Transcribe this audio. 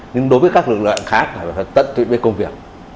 nhưng đối với các lực lượng khác là phải tận tụy với công việc